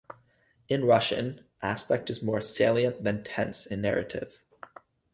In Russian, aspect is more salient than tense in narrative.